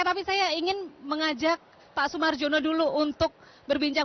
tapi saya ingin mengajak pak sumarjono dulu untuk berbincang